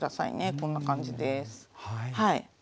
こんな感じです。